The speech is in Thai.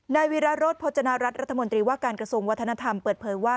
นายวิราโรธพจนารัฐรัฐมนตรีว่าการกระทรวงวัฒนธรรมเปิดเผยว่า